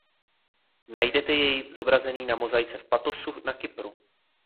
Najdete jej zobrazený na mozaice v Patosu na Kypru.